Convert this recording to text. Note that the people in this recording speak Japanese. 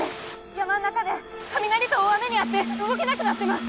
山ん中で雷と大雨に遭って動けなくなってます。